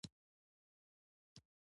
ګیلاس له درناوي ډک راوړل کېږي.